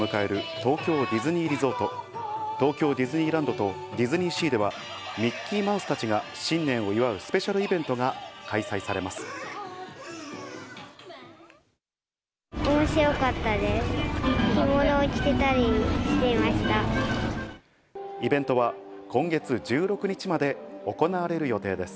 東京ディズニーランドとディズニーシーでは、ミッキーマウスたちが新年を祝うスペシャルイベントが開催されまおもしろかったです。